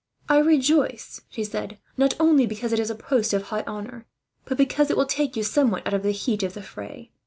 "I rejoice," she said, "not only because it is a post of high honour, but because it will take you somewhat out of the heat of the fray.